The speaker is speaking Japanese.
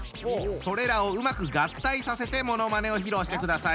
それらをうまく合体させてものまねを披露してください。